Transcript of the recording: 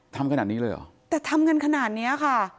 ทำขนาดนี้เลยเหรอแต่ทำกันขนาดเนี้ยค่ะ